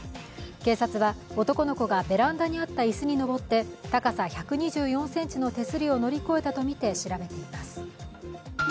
警察は男の子がベランダにあった椅子にのぼって高さ１２４ｃｍの手すりを乗り越えたとみて調べています。